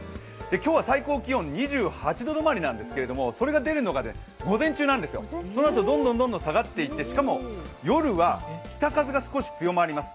今日は最高気温２８度止まりなんですが、それが出るのが午前中なんですよ、それがどんどん下がっていってしかも、夜は北風が少し強まります